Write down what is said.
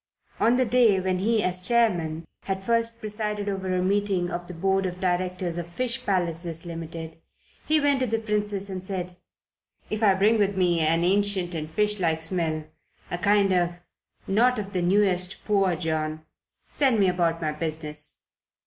On the day when he, as chairman, had first presided over a meeting of the Board of Directors of Fish Palaces Limited, he went to the Princess and said: "If I bring with me 'an ancient and fish like smell, a kind of, not of the newest, Poor John,' send me about my business."